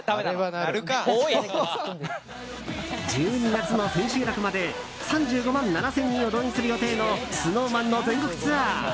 １２月の千秋楽まで３５万７０００人を動員する予定のＳｎｏｗＭａｎの全国ツアー。